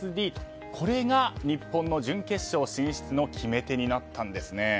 これが日本の準決勝進出の決め手になったんですね。